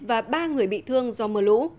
và ba người bị thương do mưa lũ